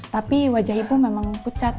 tapi wajah ibu memang pucat